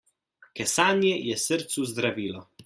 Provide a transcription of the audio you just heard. Kesanje je srcu zdravilo.